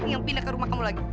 yang pindah ke rumah kamu lagi